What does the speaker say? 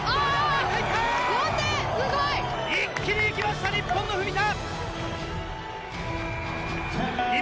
一気に行きました、日本の文田。